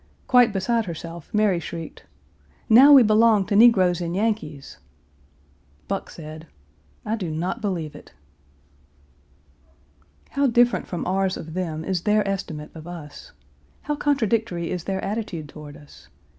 Quite beside herself Mary shrieked, "Now we belong to negroes and Yankees!" Buck said, "I do not believe it." How different from ours of them is their estimate of us. How contradictory is their attitude toward us.